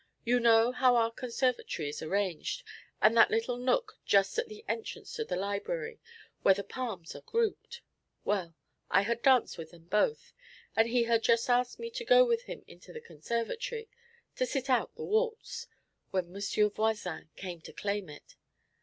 You know how our conservatory is arranged, and that little nook just at the entrance to the library, where the palms are grouped? Well, I had danced with them both, and he had just asked me to go with him into the conservatory, "to sit out a waltz," when M. Voisin came to claim it.